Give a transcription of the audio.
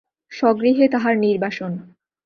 স্বগৃহে তাহার নির্বাসন।